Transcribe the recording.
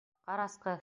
Ҡарасҡы!